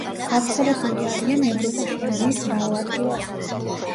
გავრცელებული არიან ევროპაში, აზიის მრავალ ადგილას.